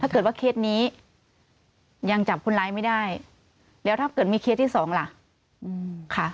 ถ้าเกิดว่าเคสนี้ยังจับคนร้ายไม่ได้เดี๋ยวถ้าเกิดมีเคสที่สองล่ะค่ะ